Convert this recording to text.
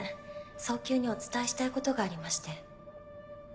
早急にお伝えしたいことがありまして。